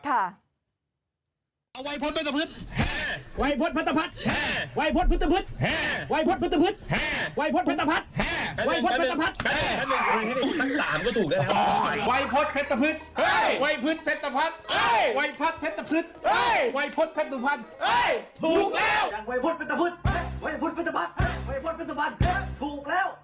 เอาวัยพศเผ็ดตะพึดแฮ่